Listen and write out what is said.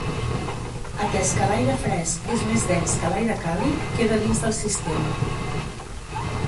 Atès que l'aire fresc és més dens que l'aire càlid queda dins del sistema.